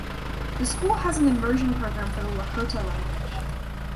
The school has an immersion program for the Lakota language.